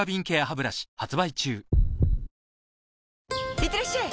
いってらっしゃい！